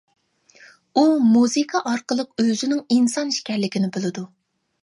ئۇ مۇزىكا ئارقىلىق ئۆزىنىڭ ئىنسان ئىكەنلىكىنى بىلىدۇ.